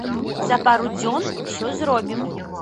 За пару дзён усё зробім.